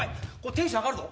テンション上がるぞ。